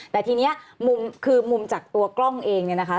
แต่ทีนี้มุมคือมุมจากตัวกล้องเองเนี่ยนะคะ